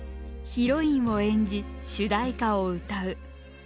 ヒロインを演じ主題歌を歌う。